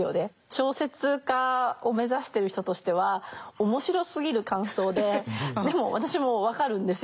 小説家を目指してる人としては面白すぎる感想ででも私も分かるんですよ。